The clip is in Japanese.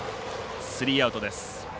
スリーアウトです。